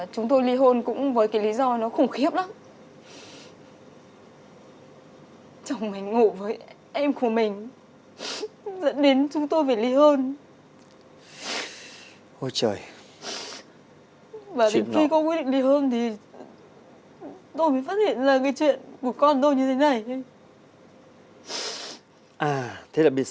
chúng tôi li hôn cũng với cái lý do nó khủng khiếp lắm